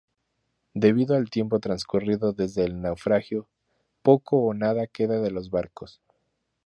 Debido al tiempo transcurrido desde el naufragio, poco o nada queda de los barcos.